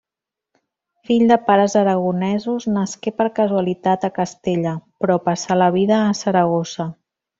Fill de pares aragonesos, nasqué per casualitat a Castella, però passà la vida a Saragossa.